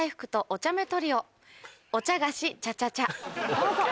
どうぞ。